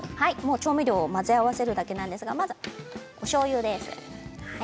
調味料を混ぜ合わせるだけなんですがまずは、しょうゆです。